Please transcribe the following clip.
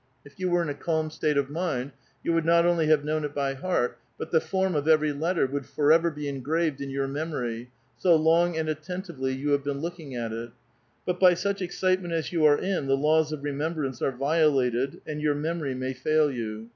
If you were in a calm state of mind you would not only have known it by heart, but the form of evei y letter would forever be engraved in your memory, so long and at tentively you have been looking at it ; but by such excite ment as you are in, the laws of remembrance are violated, and your memory may fail you.